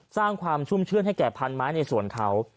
สร้างความชุ่มชื่นให้แก่พันไม้ในสวนเขา